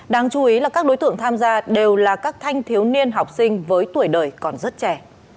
đáng chú ý là các đối tượng tham gia đều là các thanh thiếu niên học sinh với tuổi đời còn rất trẻ